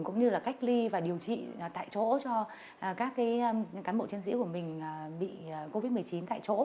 cũng như là cách ly và điều trị tại chỗ cho các cán bộ chiến sĩ của mình bị covid một mươi chín tại chỗ